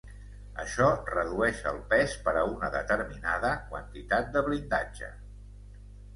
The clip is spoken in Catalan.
Això redueix el pes per a una determinada quantitat de blindatge.